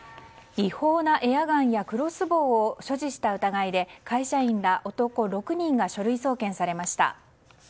違法なエアガンやクロスボウを所持した疑いで会社員ら男６人が書類送検されました。